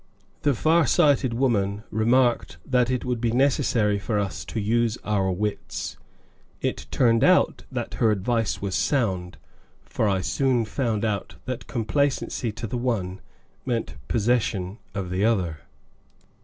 The far sighted woman remarked that it would be necessary for us to use our wits. It turned out that her advice was sound, for I soon found out that complacency to the one meant possession of the other.